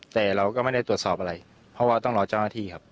แต่เราก็ไม่ได้ตรวจสอบอะไรเพราะว่าต้องรอเจ้าหน้าที่ครับ